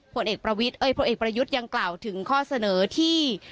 ผลเอกประยุทธ์ยังกล่าวถึงข้อเสนอที่